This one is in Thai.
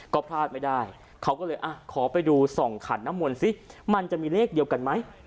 ก็พลาดไม่ได้เขาก็เลยอ่ะขอไปดูส่องขันน้ำมนต์สิมันจะมีเลขเดียวกันไหม